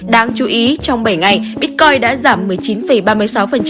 đáng chú ý trong bảy ngày bitcoin đã giảm một mươi chín ba mươi sáu